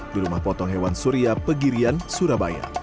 di rumah potong hewan surya pegirian surabaya